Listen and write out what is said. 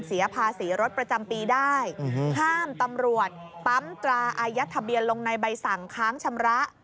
เสียภาษีรถประจำปีได้ห้ามตำรวจปั๊มตราอายัดทะเบียนลงในใบสั่งค้างชำระ